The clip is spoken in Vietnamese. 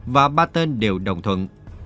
và ba tên đều đồng thuận